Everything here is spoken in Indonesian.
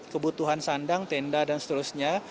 kebutuhan sandang tenda dan seterusnya